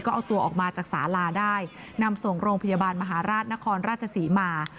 ก็เอาตัวออกมาจากสาลาได้นำส่งโรงพยาบาลมหาราชนครราชศรีมา